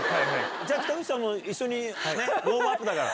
じゃあ、北口さんも一緒にね、ウォームアップだから。